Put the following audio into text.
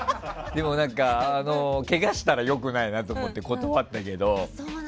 でも何か、けがしたら良くないなと思って断ったけど。